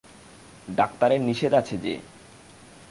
ডাক্তারের নিষেধ আছে যে।